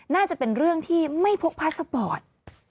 น่าจะเป็นเรื่องที่ไม่พกพาสปอร์ต